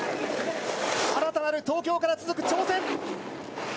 新たなる東京から続く挑戦！